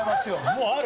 もうある？